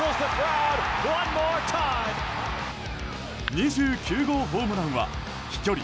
２９号ホームランは飛距離